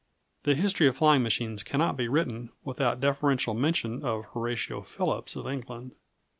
] The history of flying machines cannot be written without deferential mention of Horatio Phillips of England.